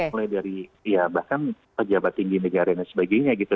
mulai dari ya bahkan pejabat tinggi negara dan sebagainya gitu